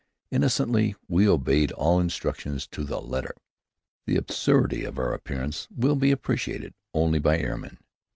Innocently, we obeyed all instructions to the letter. The absurdity of our appearance will be appreciated only by air men.